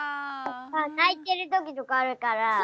ないてるときとかあるから。